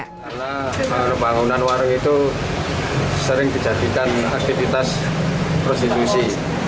karena pembangunan warung itu sering dijadikan aktivitas prostitusi